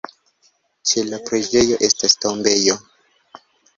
Ĉe la preĝejo estas tombejo.